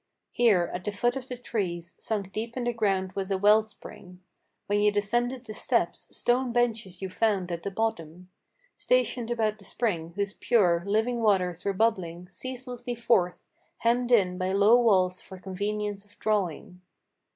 Here, at the foot of the trees, sunk deep in the ground was a well spring; When you descended the steps, stone benches you found at the bottom, Stationed about the spring, whose pure, living waters were bubbling Ceaselessly forth, hemmed in by low walls for convenience of drawing.